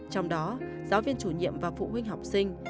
trong đó giáo viên chủ nhiệm và phụ huynh học sinh